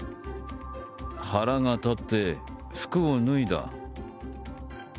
腹が立って服を脱いだ。